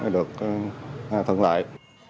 được thuận lại